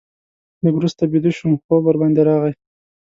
لږ وروسته بیده شوم، خوب ورباندې راغی.